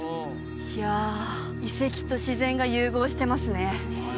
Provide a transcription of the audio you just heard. いや遺跡と自然が融合してますね